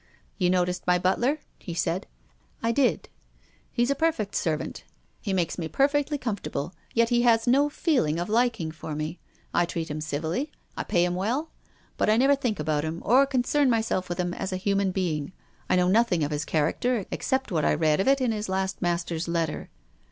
" You noticed my butler ?" he said. " I did." " He's a perfect servant. He makes me per fectly comfortable. Yet li' lias no feeling of liking for me. I treat him civilly. I pay him 276 TONGUES OP^ CONSCIENCE. well. But I never think about him, or concern myself with him as a human being. I know nothing of his character except what I read of it in his last master's letter.